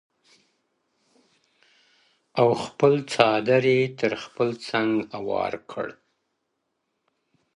او خپل څادر يې تر خپل څنگ هوار کړ ـ